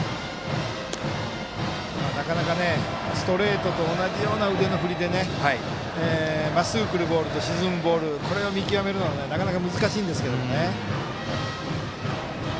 なかなかストレートと同じような腕の振りでまっすぐくるボールと沈むボールをこれを見極めるのはなかなか難しいんですけどね。